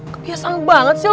kebiasaan banget sih lu